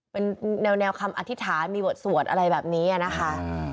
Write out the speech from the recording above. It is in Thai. เป็นแนวคำอธิษฐานมีบทสวดอะไรแบบนี้นะคะ